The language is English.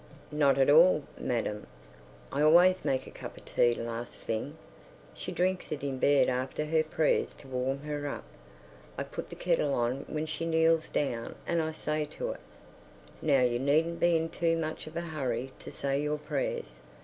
... Not at all, madam. I always make a cup of tea last thing. She drinks it in bed after her prayers to warm her up. I put the kettle on when she kneels down and I say to it, "Now you needn't be in too much of a hurry to say your prayers."